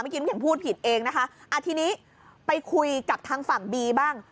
ไม่กินว่าอย่างพูดผิดเองนะคะอ่ะทีนี้ไปคุยกับทางฝั่งบีบ้าง